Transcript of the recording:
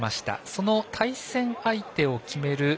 その対戦相手を決める